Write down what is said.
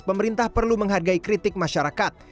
pemerintah perlu menghargai kritik masyarakat